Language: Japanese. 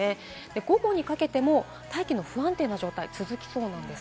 午後にかけても大気の不安定な状態、続きそうです。